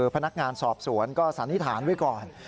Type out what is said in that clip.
พนักงานสอบสวนก็สันนิษฐานไว้ก่อน